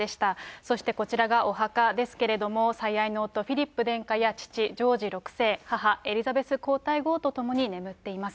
そしてこちらがお墓ですけれども、最愛の夫、フィリップ殿下や、父、ジョージ６世、母、エリザベス皇太后とともに眠っています。